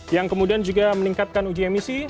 yang kemudian juga meningkatkan uji emisi